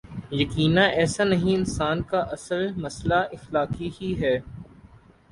یقینا ایسا نہیں انسان کا اصل مسئلہ اخلاقی ہی ہے۔